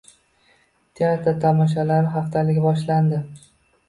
Teatr tomoshalari haftaligi boshlandi